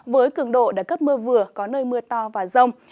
với cường độ đã cấp mưa vừa có nơi mưa to và rông